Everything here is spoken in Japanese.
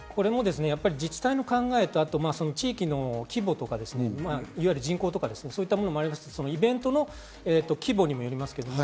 自治体の考えと地域の規模とか、いわゆる人口とか、そういうものもありますし、イベントの規模にもよります。